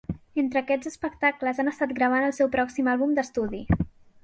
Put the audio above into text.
Entre aquests espectacles, han estat gravant el seu pròxim àlbum d'estudi.